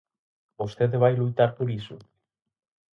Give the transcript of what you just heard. ¿Vostede vai loitar por iso?